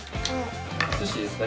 お寿司ですか？